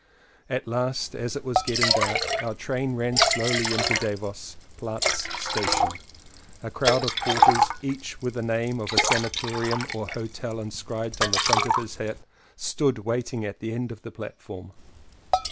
At last, as it was getting dark, our train ran slowly into Davos Platz station. A crowd of porters, each with a name of a sanatorium or hotel inscribed on the front of his hat, stood waiting at the end of the platform.